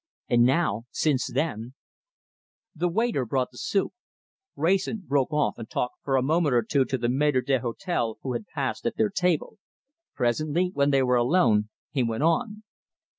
And now, since then " The waiter brought the soup. Wrayson broke off and talked for a moment or two to the maître d'hôtel, who had paused at their table. Presently, when they were alone, he went on.